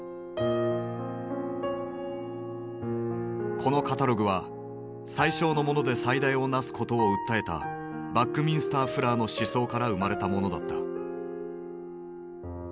このカタログは「最小のもので最大をなす」ことを訴えたバックミンスター・フラーの思想から生まれたものだった。